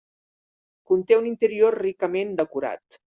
Conté un interior ricament decorat.